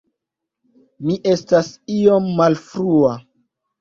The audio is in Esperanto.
Mi estas iom malfrua